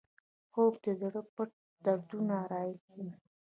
خوب د زړه پټ دردونه راښيي